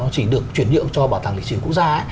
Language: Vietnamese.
chỉ được chuyển nhượng cho bảo tàng lịch sử quốc gia